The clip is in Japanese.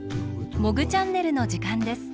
「モグチャンネル」のじかんです。